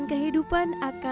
namun untuk salah satu